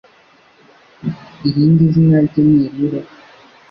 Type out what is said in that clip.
Irindi zina rye ni irihe